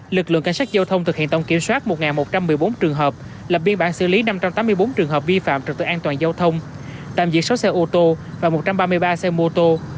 lực lượng cảnh sát giao thông thực hiện tổng kiểm soát một một trăm một mươi bốn trường hợp lập biên bản xử lý năm trăm tám mươi bốn trường hợp vi phạm trực tự an toàn giao thông tạm giữ sáu xe ô tô và một trăm ba mươi ba xe mô tô